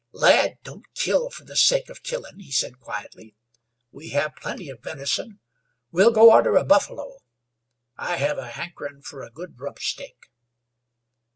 "Lad, don't kill fer the sake of killin," he said, quietly. "We have plenty of venison. We'll go arter a buffalo. I hev a hankerin' fer a good rump steak."